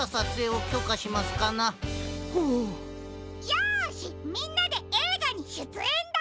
よしみんなでえいがにしゅつえんだ！